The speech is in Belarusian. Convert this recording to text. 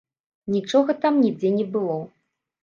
Нічога там нідзе не было.